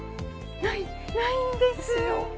ないないんです！